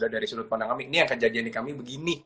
dari sudut pandang kami ini yang kejadian di kami begini